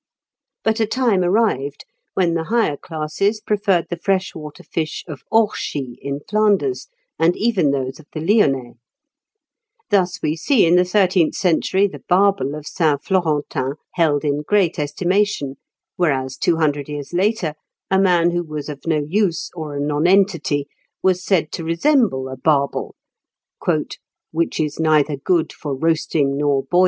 But a time arrived when the higher classes preferred the freshwater fish of Orchies in Flanders, and even those of the Lyonnais. Thus we see in the thirteenth century the barbel of Saint Florentin held in great estimation, whereas two hundred years later a man who was of no use, or a nonentity, was said to resemble a barbel, "which is neither good for roasting nor boiling."